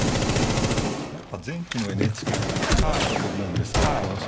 何か前期のＮＨＫであったと思うんですけどこの将棋。